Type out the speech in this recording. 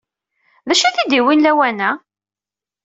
D acu ay t-id-yewwin lawan-a?